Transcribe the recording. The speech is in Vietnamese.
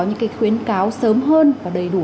những cái khuyến cáo sớm hơn và đầy đủ